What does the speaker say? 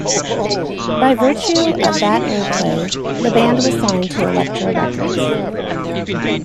By virtue of that airplay, the band was signed to Elektra Records.